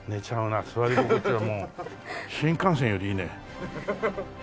座り心地がもう新幹線よりいいね。